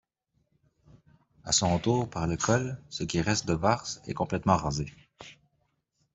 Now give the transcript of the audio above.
À son retour par le col, ce qui reste de Vars est complètement rasé.